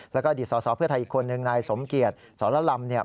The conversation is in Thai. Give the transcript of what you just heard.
และอดีตสสภไทยอีกคนหนึ่งนายสมเกียรติสละลำ